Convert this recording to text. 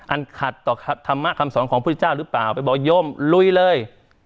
อันขัดต่อธรรมะคำสอนของพุทธเจ้าหรือเปล่าไปบอกโยมลุยเลย